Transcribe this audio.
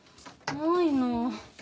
ないな。